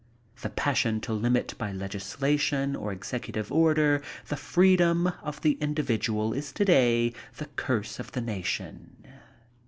The passion to limit by legislation or executive order the freedom of the individual is today the curse of the nation."